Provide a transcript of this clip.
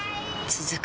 続く